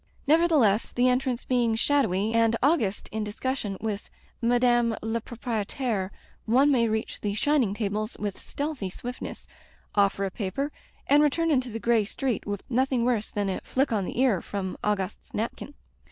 Nevertheless, the entrance being shadowy, and Auguste in discussion with Madame la Proprietaire, one may reach the shining tables with stealthy swiftness, offer a paper, and return into the gray street with nothing worse than a flick on die ear from Augustc's napkin.